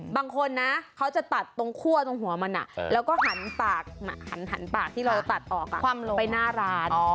บางคนนะเขาจะตัดตรงคั่วตรงหัวมันแล้วก็หันปากที่เราตัดออกคว่ำลงไปหน้าร้าน